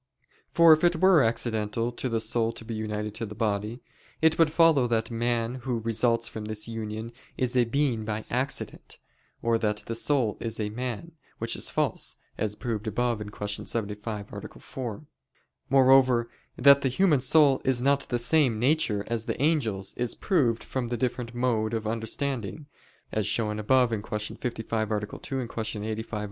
For if it were accidental to the soul to be united to the body, it would follow that man who results from this union is a being by accident; or that the soul is a man, which is false, as proved above (Q. 75, A. 4). Moreover, that the human soul is not of the same nature as the angels, is proved from the different mode of understanding, as shown above (Q. 55, A. 2; Q. 85, A.